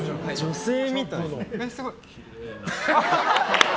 女性みたい！